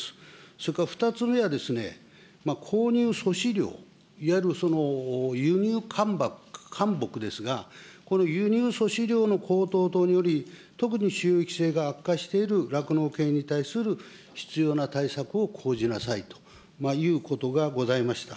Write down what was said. それから２つ目は、購入粗飼料、いわゆる輸入かん木ですが、この輸入粗飼料の高騰等により、特に収益性が悪化している酪農系に対する必要な対策を講じなさいということがございました。